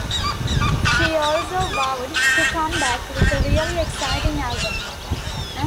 She also vowed to come back with a "really exciting" album.